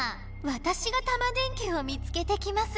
わたしがタマ電Ｑを見つけてきます。